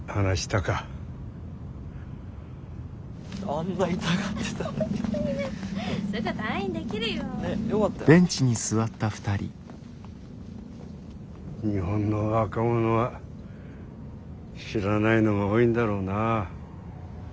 日本の若者は知らないのが多いんだろうな。